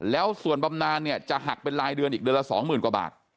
แล้วส่วนบำนานเนี่ยจะหักเป็นรายเดือนอีกเดือนละ๒๐๐๐กว่าบาท